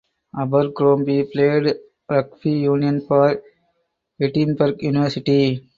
Abercrombie played rugby union for Edinburgh University.